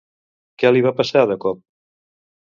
Què li va passar, de cop?